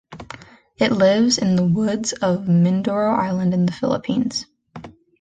It lives in the woods of Mindoro Island, in the Philippines.